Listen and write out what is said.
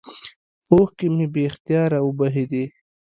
اوښكې مې بې اختياره وبهېدې.